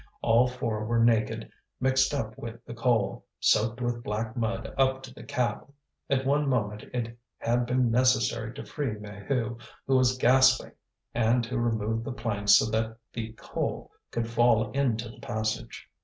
All four were naked, mixed up with the coal, soaked with black mud up to the cap. At one moment it had been necessary to free Maheu, who was gasping, and to remove the planks so that the coal could fall into the passage.